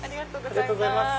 ありがとうございます。